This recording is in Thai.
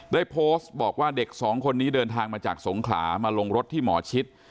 ได้โพสต์บอกว่าเด็กสองคนนี้เดินทางมาจากสงขลามาลงรถที่หมอชิด